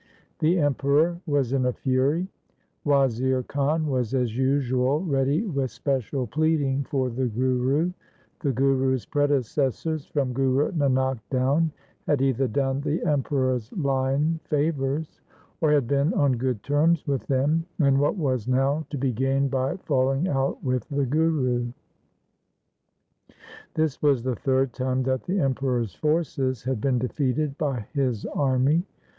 The Emperor was in a fury. Wazir Khan was as usual ready with special pleading for the Guru :' The Guru's predecessors, from Guru Nanak down, had either done the Emperor's line favours, or had been on good terms with them, and what was now to be gained by falling out with the Guru? This was the third time that the Emperor's forces had been defeated by his army.